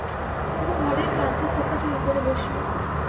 কুমু ঘরের প্রান্তের সোফাটির উপরে বসল।